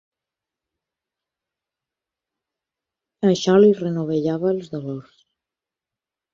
Això li renovellava els dolors.